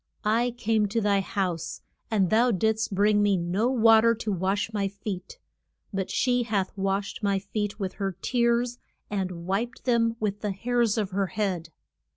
I came to thy house, and thou didst bring me no wa ter to wash my feet, but she hath washed my feet with her tears and wiped them with the hairs of her head.